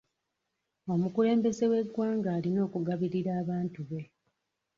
Omukulembeze w'eggwanga alina okugabirira abantu be.